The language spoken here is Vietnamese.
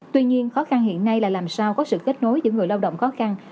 tuy nhiên khó khăn hiện nay là làm sao có sự kết nối giữa người lao động khó khăn